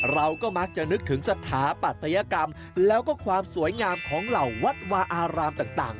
เราก็มักจะนึกถึงสถาปัตยกรรมแล้วก็ความสวยงามของเหล่าวัดวาอารามต่าง